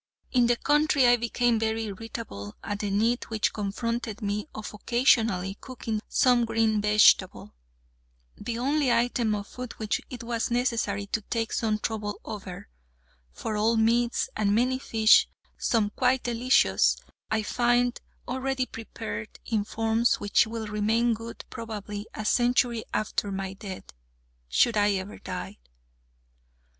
In the country I became very irritable at the need which confronted me of occasionally cooking some green vegetable the only item of food which it was necessary to take some trouble over: for all meats, and many fish, some quite delicious, I find already prepared in forms which will remain good probably a century after my death, should I ever die.